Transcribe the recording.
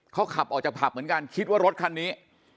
เขาขับออกจากผับเหมือนกันคิดว่ารถคันนี้